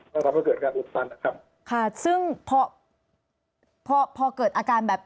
แล้วทำให้เกิดการอุดตันนะครับ